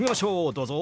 どうぞ。